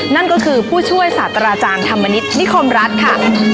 นั่นก็คือผู้ช่วยศาสตราจารย์ธรรมนิษฐนิคมรัฐค่ะ